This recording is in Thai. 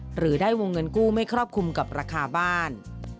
หรือได้วงเงินกู้ไม่ครอบคลุมกับราคาบ้าน